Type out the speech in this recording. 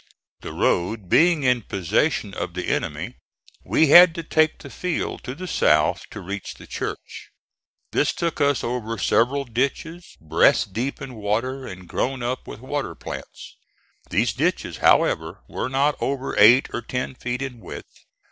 The road being in possession of the enemy, we had to take the field to the south to reach the church. This took us over several ditches breast deep in water and grown up with water plants. These ditches, however, were not over eight or ten feet in width.